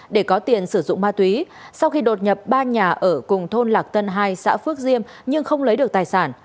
để có tiền sử dụng ma túy sau khi đột nhập ba nhà ở cùng thôn lạc tân hai xã phước diêm nhưng không lấy được tài sản